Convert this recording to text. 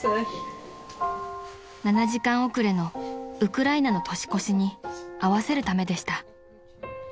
［７時間遅れのウクライナの年越しに合わせるためでした］